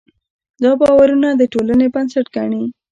دا باورونه د ټولنې بنسټ ګڼي.